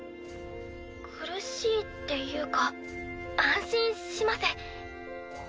苦しいっていうか安心します。